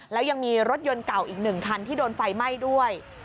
แล้วยังมีรถยนต์เก่าอีก๑คันที่โดนไฟไหม้ด้วย